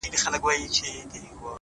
يوه د ميني زنده گي راوړي؛